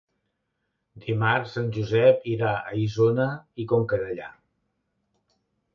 Dimarts en Josep irà a Isona i Conca Dellà.